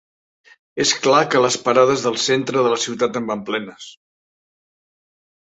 És clar que les parades del centre de la ciutat en van plenes.